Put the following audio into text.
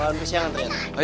ada pelan bersiangan ternyata